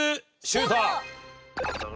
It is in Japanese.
シュート！